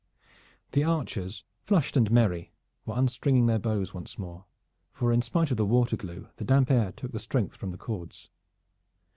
The archers, flushed and merry, were unstringing their bows once more, for in spite of the water glue the damp air took the strength from the cords.